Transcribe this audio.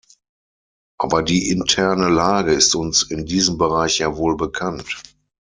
Aber die interne Lage ist uns in diesem Bereich ja wohl bekannt.